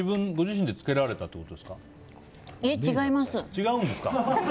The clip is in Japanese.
違うんですか。